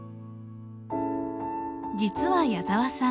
実は矢澤さん